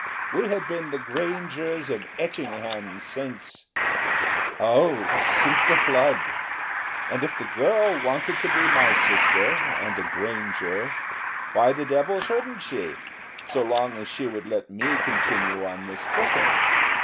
We had been the Grangers of Etchingham since oh, since the flood. And if the girl wanted to be my sister and a Granger, why the devil shouldn't she, so long as she would let me continue on this footing?